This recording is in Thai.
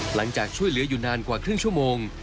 หลังจากช่วยเหลืออยู่นานกว่าครึ่งชั่วโมง